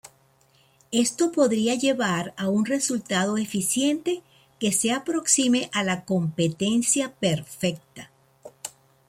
Esto podría llevar a un resultado eficiente que se aproxime a la competencia perfecta.